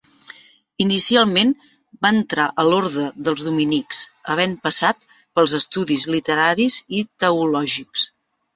Inicialment va entrar a l'orde dels dominics, havent passat pels estudis literaris i teològics.